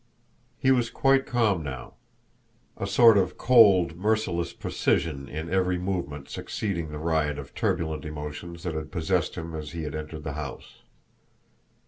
He was quite calm now; a sort of cold, merciless precision in every movement succeeding the riot of turbulent emotions that had possessed him as he had entered the house.